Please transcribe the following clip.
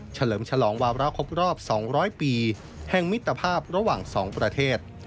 เลิมฉลองวาระครบรอบ๒๐๐ปีแห่งมิตรภาพระหว่าง๒ประเทศ